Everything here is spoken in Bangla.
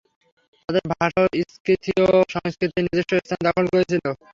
তাদের ভাষাও স্কিথীয় সংস্কৃতিতে নিজস্ব স্থান দখল করেছিল।